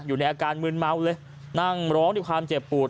อยู่ในอาการมืนเมาเลยนั่งร้องด้วยความเจ็บปวด